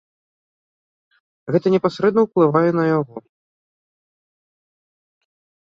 Гэта непасрэдна ўплывае на яго.